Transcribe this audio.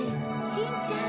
しんちゃん。